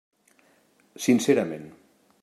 Sincerament.